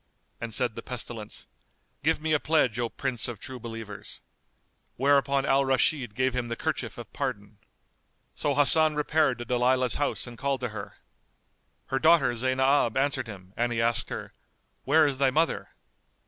And said the Pestilence, "Give me a pledge, O Prince of True Believers!" Whereupon Al Rashid gave him the kerchief of pardon. So Hasan repaired to Dalilah's house and called to her. Her daughter Zaynab answered him and he asked her, "Where is thy mother?"